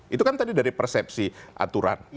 itu kan tadi dari persepsi aturan